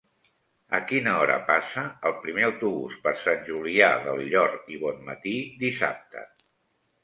A quina hora passa el primer autobús per Sant Julià del Llor i Bonmatí dissabte?